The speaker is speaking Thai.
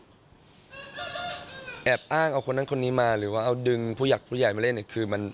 แอบอ้างเอาคนนั้นคนนี้มาหรือว่าเอาดึงผู้หลักผู้ใหญ่มาเล่นเนี่ยคือมัน